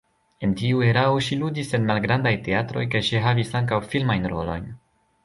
En tiu erao ŝi ludis en malgrandaj teatroj kaj ŝi havis ankaŭ filmajn rolojn.